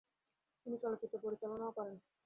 তিনি চলচ্চিত্র পরিচালনাও করেন।